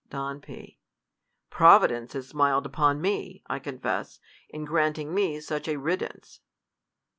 Don P, Providence has smiled upon me, I confess, in granting me such a riddance.